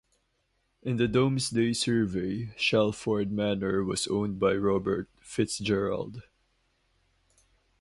In the Domesday Survey, Shalford Manor was owned by Robert FitzGerald.